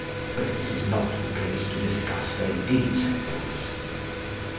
But this is not the place to discuss their details.